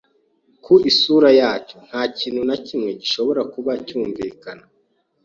Ku isura yacyo, nta kintu na kimwe gishobora kuba cyumvikana.